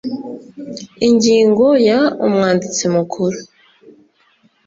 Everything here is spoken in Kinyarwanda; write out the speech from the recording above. ingingo ya umwanditsi mukuru